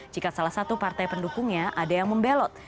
jika salah satu partai pendukungnya ada yang membelot